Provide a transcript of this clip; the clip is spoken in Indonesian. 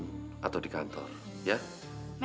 datu besak putil